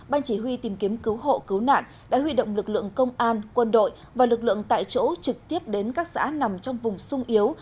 ban chỉ huy tìm kiếm cứu hộ cứu nạn đã huy động lực lượng công an quân đội và lực lượng tại chỗ trực tiếp đến các xã nằm trong vùng sung yếu